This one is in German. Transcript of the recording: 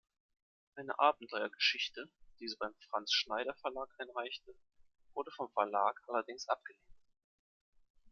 Eine Abenteuergeschichte, die sie beim Franz Schneider Verlag einreichte, wurde vom Verlag allerdings abgelehnt.